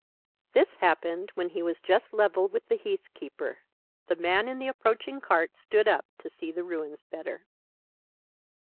This happened when he was just level with the heathkeeper. The man in the approaching cart stood up to see the ruins better.